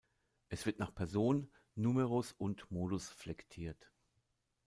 Es wird nach Person, Numerus und Modus flektiert.